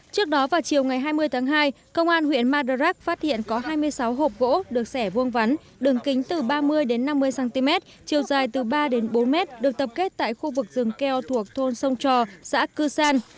trước đó vào chiều ngày hai mươi tháng hai công an huyện madurak phát hiện có hai mươi sáu hộp gỗ được xẻ vuông vắn đường kính từ ba mươi đến năm mươi cm chiều dài từ ba bốn m được tập kết tại khu vực rừng keo thuộc thôn sông trò xã cư san